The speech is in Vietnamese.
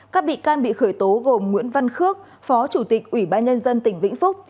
các bị can bị khởi tố gồm nguyễn văn khước phó chủ tịch ủy ban nhân dân tỉnh vĩnh phúc